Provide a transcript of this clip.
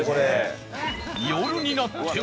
夜になっても